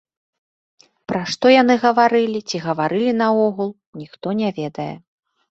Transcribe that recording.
Пра што яны гаварылі, ці гаварылі наогул, ніхто не ведае.